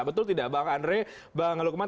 betul tidak bang andre bang lukman